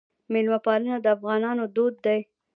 میلمه پالنه د افغانانو دود دی